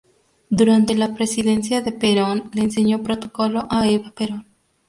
Durante la presidencia de Perón le enseñó protocolo a Eva Perón.